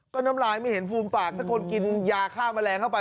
ก็น้ำลายไม่เห็นฟูมปากถ้าคนกินยาฆ่าแมลงเข้าไป